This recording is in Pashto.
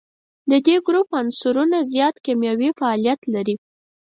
د دې ګروپ عنصرونه زیات کیمیاوي فعالیت لري.